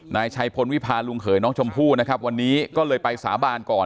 นายชัยพลวิพาลุงเขยน้องชมพู่นะครับวันนี้ก็เลยไปสาบานก่อน